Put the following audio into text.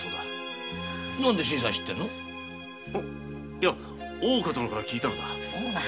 いや大岡様から聞いたのだ。